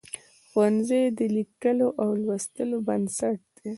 ښوونځی د لیکلو او لوستلو بنسټ دی.